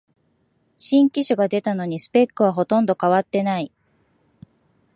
新機種が出たのにスペックはほとんど変わってない